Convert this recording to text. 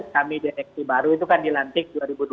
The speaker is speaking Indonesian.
kami deteksi baru itu kan dilantik dua ribu dua puluh